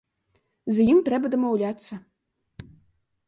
З ім трэба дамаўляцца.